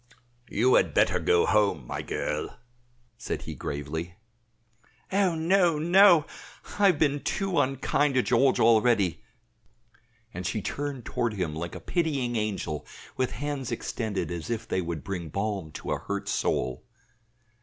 "You had better go home, my girl," said he gravely. "Oh, no, no! I have been too unkind to George already," and she turned toward him like a pitying angel with hands extended as if they would bring balm to a hurt soul.